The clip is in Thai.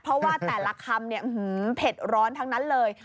เพราะว่าแต่ละคำเนี่ยเผ็ดร้อนทั้งนั้นเลย